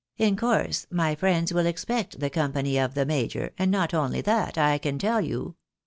In course, my friends will expect the company of the major, and not only that, I can tell you.